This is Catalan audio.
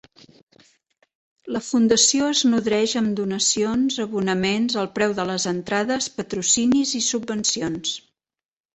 La fundació es nodreix amb donacions, abonaments, el preu de les entrades, patrocinis i subvencions.